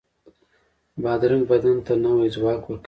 بادرنګ بدن ته نوی ځواک ورکوي.